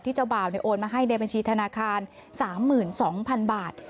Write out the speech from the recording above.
เจ้าบ่าวโอนมาให้ในบัญชีธนาคาร๓๒๐๐๐บาท